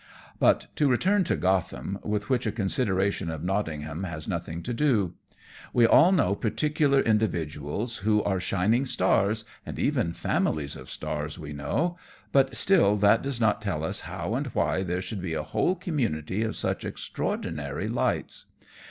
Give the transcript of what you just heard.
But to return to Gotham, with which a consideration of Nottingham has nothing to do. We all know particular individuals who are shining stars, and even families of stars we know, but still that does not tell us how and why there should be a whole community of such extraordinary lights.